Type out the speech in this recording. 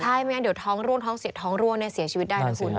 ใช่ไม่งั้นเดี๋ยวท้องร่วงท้องเสียท้องร่วงเสียชีวิตได้นะคุณ